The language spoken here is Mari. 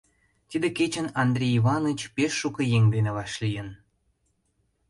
Тиде кечын Андрей Иваныч пеш шуко еҥ дене вашлийын.